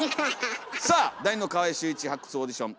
さあ「第二の川合俊一発掘オーディション」